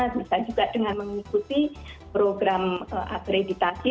bisa juga dengan mengikuti program akreditasi